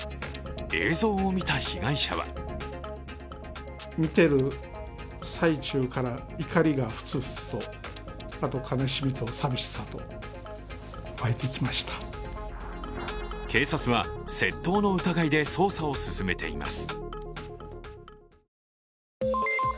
映像を見た被害者は警察は、窃盗の疑いで捜査を進めています。